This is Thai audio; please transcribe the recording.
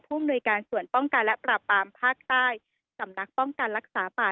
มนุยการส่วนป้องกันและปราบปรามภาคใต้สำนักป้องกันรักษาป่า